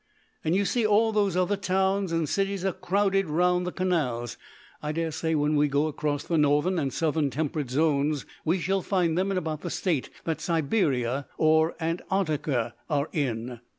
And, you see, all those other towns and cities are crowded round the canals! I daresay when we go across the northern and southern temperate zones we shall find them in about the state that Siberia or Antarctica are in."